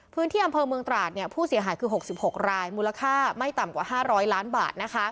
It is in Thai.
พื้นที่อำเภอเมืองตราดผู้เสียหายคือ๖๖รายมูลค่าไม่ต่ำกว่า๕๐๐ล้านบาท